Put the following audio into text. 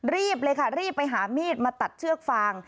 รีบเลยค่ะรีบไปหามีดมาตัดเชือกฟาง